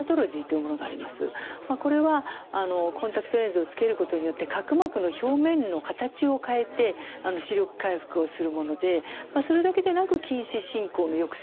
これはコンタクトレンズをつけることによって角膜の表面の形を変えて視力回復をするものでそれだけでなく近視進行の抑制効果が出ます。